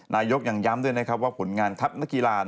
นายกยังย้ำด้วยนะครับว่าผลงานทัพนักกีฬา